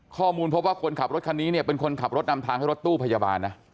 ข้อมูลพบว่าคนขับรถคันนี้เนี่ยเป็นคนขับรถนำทางให้รถตู้พยาบาลนะ